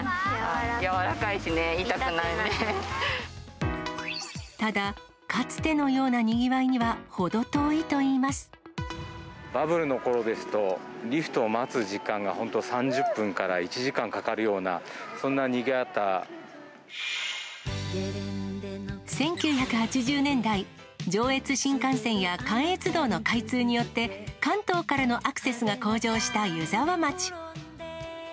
やわらかいしね、ただ、かつてのようなにぎわバブルのころですと、リフトを待つ時間が本当、３０分から１時間かかるような、１９８０年代、上越新幹線や関越道の開通によって、関東からのアクセスが向上した湯沢町。